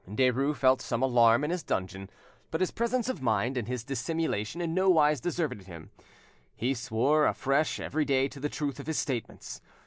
Derues felt some alarm in his dungeon, but his presence of mind and his dissimulation in no wise deserted him, and he swore afresh every day to the truth of his statements.